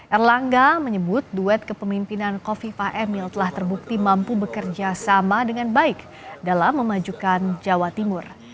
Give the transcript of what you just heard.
erlangga menyebut duet kepemimpinan kofifah emil telah terbukti mampu bekerja sama dengan baik dalam memajukan jawa timur